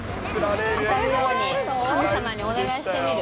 当たるように、神様にお願いしてみる？